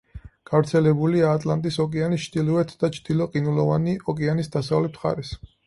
გავრცელებულია ატლანტის ოკეანის ჩრდილოეთ და ჩრდილო ყინულოვანი ოკეანის დასავლეთ მხარეს.